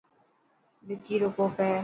وڪي رو ڪوپ هي.